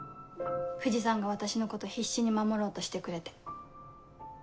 藤さんが私のこと必死に守ろうとしてくれて。